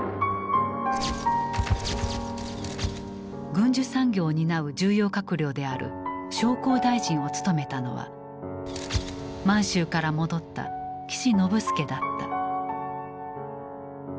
軍需産業を担う重要閣僚である商工大臣を務めたのは満州から戻った岸信介だった。